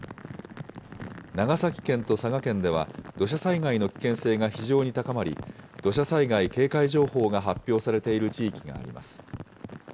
長崎県と佐賀県では、土砂災害の危険性が非常に高まり、土砂災害警戒情報が発表されている地域があります。